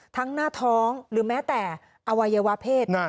หน้าท้องหรือแม้แต่อวัยวะเพศ